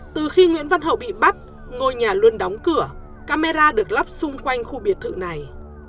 từ khi nguyễn văn hậu bị bắt ngôi nhà luôn đóng cửa camera được lắp xung quanh khu biệt thự này